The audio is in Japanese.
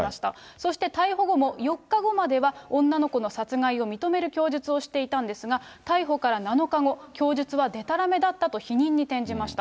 そして、逮捕後も４日後までは、女の子の殺害を認める供述をしていたんですが、逮捕から７日後、供述はでたらめだったと否認に転じました。